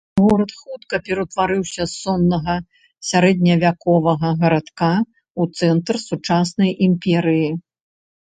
Горад хутка ператварыўся з соннага сярэдневяковага гарадка ў цэнтр сучаснай імперыі.